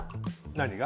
何が？